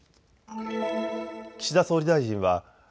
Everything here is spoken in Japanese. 岸田総理大臣はＧ７・